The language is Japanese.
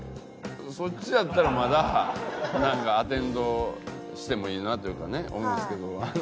そっちやったらまだなんかアテンドしてもいいなというかね思うんですけどあの。